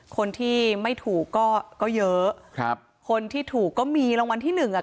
คนที่ไม่ถูกก็ก็เยอะครับคนที่ถูกก็มีรางวัลที่หนึ่งอ่ะ